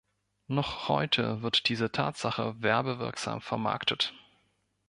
Noch heute wird diese Tatsache werbewirksam vermarktet.